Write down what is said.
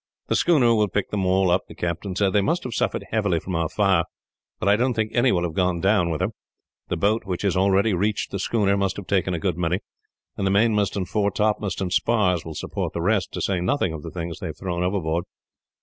"The schooner will pick them all up," the captain said. "They must have suffered heavily from our fire, but I don't think any will have gone down with her. The boat, which has already reached the schooner, must have taken a good many, and the mainmast and foretopmast and spars would support the rest, to say nothing of the things they have thrown overboard.